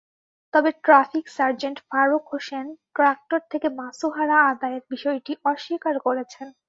তবে traffic sergeant Faruk Hossain tractor থেকে মাসোহারা আদায়ের বিষয়টি অস্বীকার করেছেন।